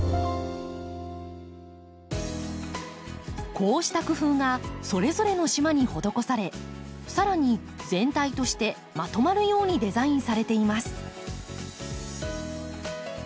こうした工夫がそれぞれの島に施されさらに全体としてまとまるようにデザインされています。